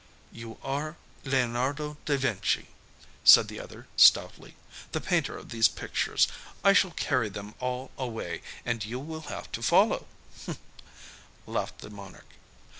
"You are Leonardo da Vinci," said the other stoutly, "the painter of these pictures. I shall carry them all away, and you will have to follow," laughed the monarch.